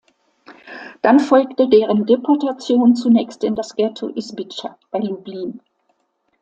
Dann folgte deren Deportation zunächst in das Ghetto Izbica bei Lublin.